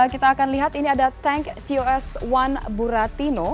kita akan lihat ini ada tank tos satu buratino